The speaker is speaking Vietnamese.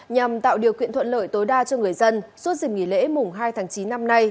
nhằm tạo điều kiện thuận lợi tối đa cho người dân suốt dịp nghỉ lễ mùng hai tháng chín năm nay